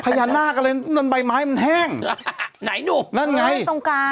พญานาคก็เลยนั่นใบไม้มันแห้งไหนดุนั่นไงตรงกลาง